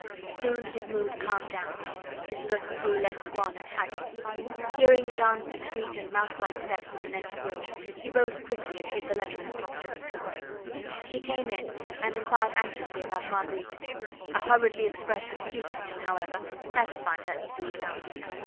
Soon his mood calmed down, his look grew less wan and haggard. Hearing Jeanne's discreet and mouselike steps in the next room, he rose quickly and hid the letter in the pocket of his coat. She came in and inquired anxiously about Marguerite; a hurriedly expressed excuse from him, however, satisfied her easily enough.